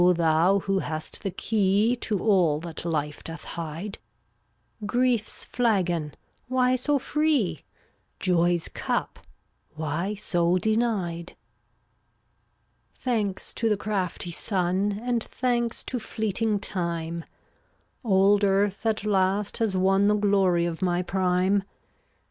Thou who hast the key To all that life doth hide: Griefs flagon — why so freeP Joy's cup — why so denied? 380 Thanks to the crafty Sun, And thanks to fleeting Time, Old earth at last has won The glory of my prime.